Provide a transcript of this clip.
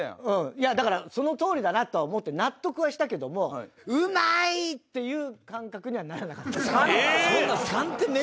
いやだからそのとおりだなとは思って納得はしたけども「うまい！」っていう感覚にはならなかった。